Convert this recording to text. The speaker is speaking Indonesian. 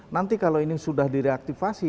nanti kalau ini sudah direaktivasi